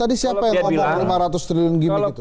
tadi siapa yang ngomong lima ratus triliun gimmick itu